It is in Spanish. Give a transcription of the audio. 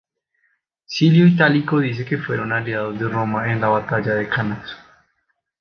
Silio Itálico dice que fueron aliados de Roma en la Batalla de Cannas.